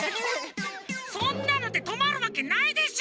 そんなのでとまるわけないでしょ！